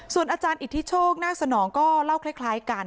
ส่วนอาจารย์อิทธิโชคนาคสนองก็เล่าคล้ายกัน